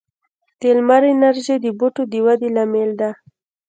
د لمر انرژي د بوټو د ودې لامل ده.